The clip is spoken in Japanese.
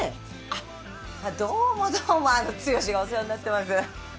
あっどうもどうも剛がお世話になってます。